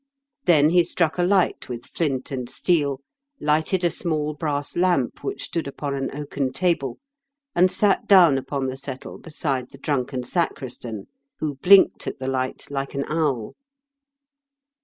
Then he struck a light with flint and steel, lighted a small brass lamp which stood upon an oaken table, and sat down upon the settle beside the drunken sacristan, who blinked at the light like an owl.